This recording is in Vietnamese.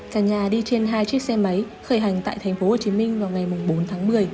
cả nhà đi trên hai chiếc xe máy khởi hành tại tp hcm vào ngày bốn tháng một mươi